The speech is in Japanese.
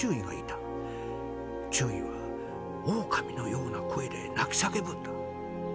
中尉はオオカミのような声で泣き叫ぶんだ。